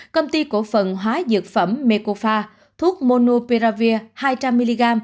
công ty cổ phần hóa dược phẩm mekofa thuốc monoperavir hai trăm linh mg